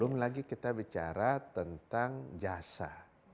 belum lagi kita bicara tentang jasa